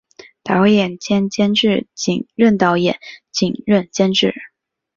导演兼监制仅任导演仅任监制